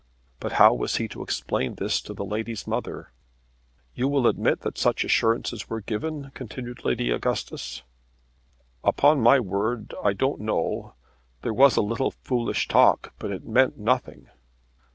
But how was he to explain this to the lady's mother? "You will admit that such assurances were given?" continued Lady Augustus. "Upon my word I don't know. There was a little foolish talk, but it meant nothing."